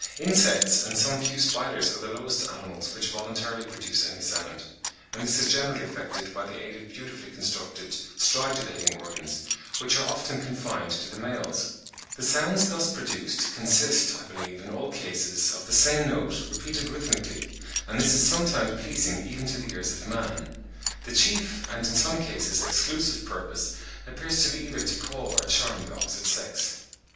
Insects and some few spiders are the lowest animals which voluntarily produce any sound; and this is generally effected by the aid of beautifully constructed stridulating organs, which are often confined to the males. The sounds thus produced consist, I believe in all cases, of the same note, repeated rhythmically (29. Dr. Scudder, 'Notes on Stridulation,' in 'Proc. Boston Soc. of Nat. Hist.' vol. xi. April 1868.); and this is sometimes pleasing even to the ears of man. The chief and, in some cases, exclusive purpose appears to be either to call or charm the opposite sex.